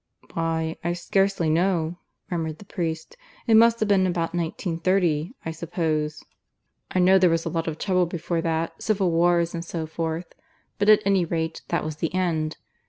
"Why, I scarcely know," murmured the priest. "It must have been about 1930, I suppose. I know there was a lot of trouble before that civil wars and so forth. But at any rate that was the end.